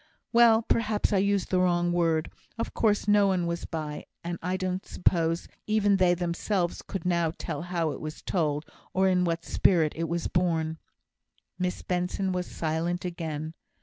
"Well! perhaps I used the wrong word of course no one was by and I don't suppose even they themselves could now tell how it was told, or in what spirit it was borne." Miss Benson was silent again.